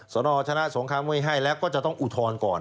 สนชนะสงครามไว้ให้แล้วก็จะต้องอุทธรณ์ก่อน